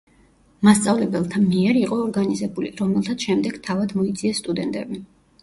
მასწავლებელთა მიერ იყო ორგანიზებული, რომელთაც შემდეგ თავად მოიძიეს სტუდენტები.